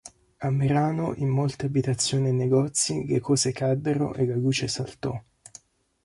A Merano in molte abitazioni e negozi le cose caddero e la luce saltò.